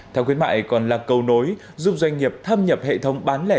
thăng khuyến mại còn là cầu nối giúp doanh nghiệp tham nhập hệ thống bán lẻ